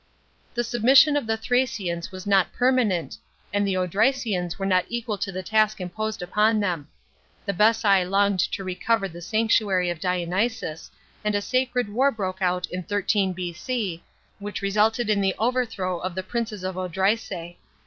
The submission of the Thracians was not permanent, and the Odrysians were not equal to the task imposed upon them. The Bessi longed to recover the sanctuary of Dionysus, and a sacred war broke out in 13 B.C., which resulted in the overthrow of the princes of the Odrysae.